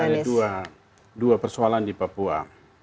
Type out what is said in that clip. jadi ada dua persoalan di papua